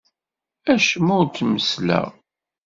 Acemma ur t-messleɣ.